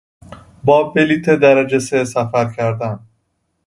با بلیط درجه سه سفر کردن